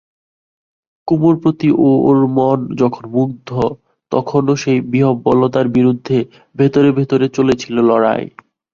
কুমুর প্রতি ওর মন যখন মুগ্ধ তখনো সেই বিহ্বলতার বিরুদ্ধে ভিতরে ভিতরে চলেছিল লড়াই।